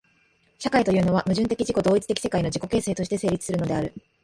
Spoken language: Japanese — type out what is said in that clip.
社会というのは、矛盾的自己同一的世界の自己形成として成立するのである。